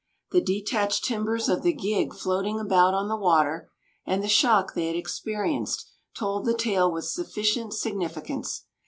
The detached timbers of the gig floating about on the water, and the shock they had experienced, told the tale with sufficient significance.